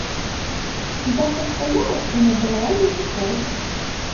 Я пастаяла і набрала языкоў.